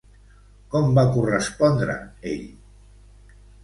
Com va correspondre ell?